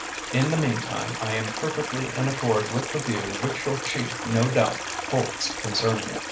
In the meantime, I am perfectly in accord with the view which your Chief no doubt holds concerning it.